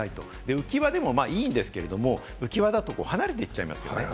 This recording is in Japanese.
浮輪でもいいんですけれど、浮輪だと離れていっちゃいますよね。